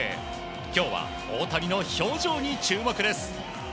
今日は大谷の表情に注目です。